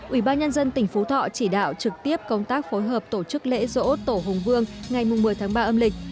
ủy ban nhân dân tỉnh phú thọ chỉ đạo trực tiếp công tác phối hợp tổ chức lễ dỗ tổ hùng vương ngày một mươi tháng ba âm lịch